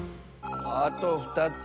あと２つ。